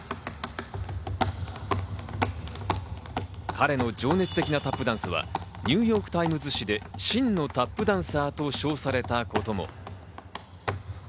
彼の情熱的なタップダンスはニューヨーク・タイムズ紙で真のタップダンサーと称されたことも。